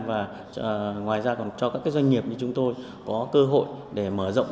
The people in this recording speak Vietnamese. và ngoài ra còn cho các doanh nghiệp như chúng tôi có cơ hội để mở rộng